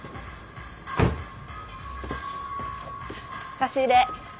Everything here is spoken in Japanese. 差し入れ。